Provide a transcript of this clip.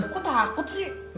gua takut sih